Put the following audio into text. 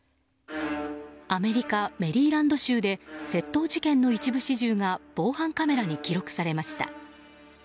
アメリカ・メリーランド州で窃盗事件の一部始終が防犯カメラに記録されました。